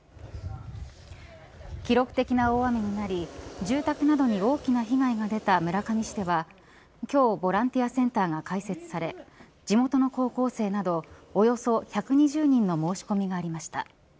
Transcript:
記録的な大雨になり住宅などに大きな被害が出た村上市では今日ボランティアセンターが開設され地元の高校生などおよそ１２０人の申し込みがありました。